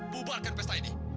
buparkan pesta ini